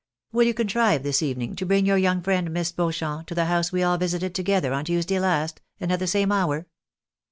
Will you contrive this evening to bring your young friend, Miss Beauchamp, to the house we all visited to gether on Tuesday last, and at the same hour?"